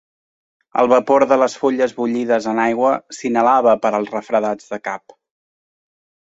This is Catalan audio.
El vapor de les fulles bullides en aigua s'inhalava per als refredats de cap.